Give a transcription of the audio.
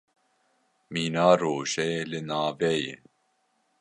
Mîna rojê li navê ye.